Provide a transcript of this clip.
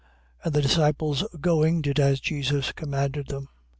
And the disciples going, did as Jesus commanded them.